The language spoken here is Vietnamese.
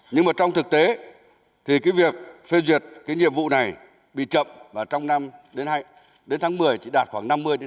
nhưng mà trong thực tế thì cái việc phê duyệt cái nhiệm vụ này bị chậm và trong năm đến tháng một mươi chỉ đạt khoảng năm mươi